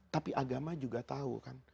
tapi agama juga tahu kan